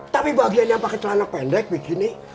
tapi bagian yang pakai celana pendek bikini